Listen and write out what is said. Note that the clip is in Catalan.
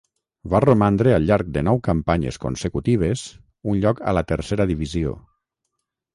Va romandre al llarg de nou campanyes consecutives un lloc a la Tercera divisió.